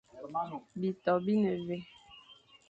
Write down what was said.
Bitô bi ne mvè,